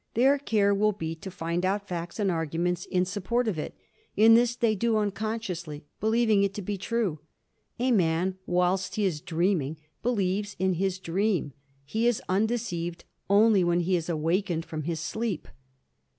Their care will be to find out facts and arguments in support of it, and this they do unconsciously, believing it to be true. A man, whilst he is dreaming, believes in his dream; he is undeceived only when he is awakened from his sleep.